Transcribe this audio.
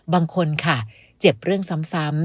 บางคนค่ะเจ็บเรื่องซ้ำ